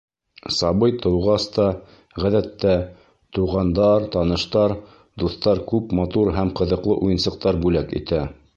Сабый тыуғас та, ғәҙәттә, туғандар, таныштар, дуҫтар күп матур һәм ҡыҙыҡлы уйынсыҡтар бүләк итә.